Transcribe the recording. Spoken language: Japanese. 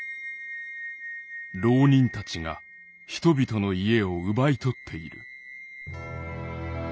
「牢人たちが人々の家を奪い取っている」。